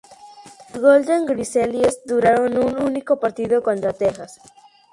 Los Golden Grizzlies duraron un único partido, contra Texas.